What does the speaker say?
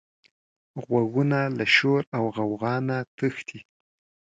غوږونه له شور او غوغا نه تښتي